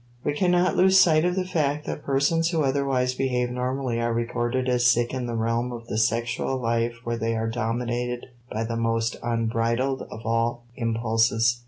We can not lose sight of the fact that persons who otherwise behave normally are recorded as sick in the realm of the sexual life where they are dominated by the most unbridled of all impulses.